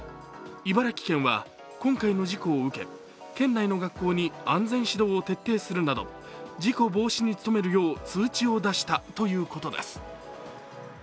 茨城県は今回の事故を受け県内の学校に安全指導を徹底するなど事故防止に努めるよう通知を出したということです。